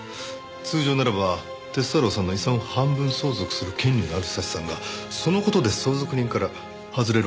通常ならば鐵太郎さんの遺産を半分相続する権利のある祥さんがその事で相続人から外れるわけですから。